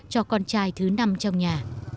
cho con trai thứ năm trong nhà